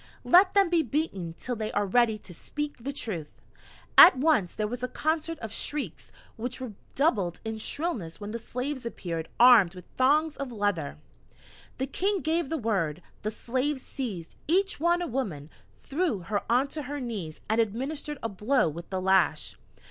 "Let them be beaten till they are ready to speak the truth." At once there was a concert of shrieks, which redoubled in shrillness when the slaves appeared armed with thongs of leather. The King gave the word: the slaves seized, each one, a woman, threw her onto her knees, and administered a blow with the lash.